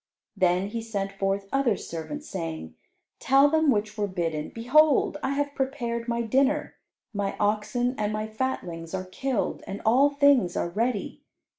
Then he sent forth other servants, saying, "Tell them which were bidden, 'Behold, I have prepared my dinner; my oxen and my fatlings are killed, and all things are ready.